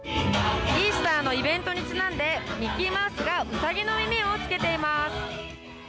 イースターのイベントにちなんでミッキーマウスがウサギの耳をつけています。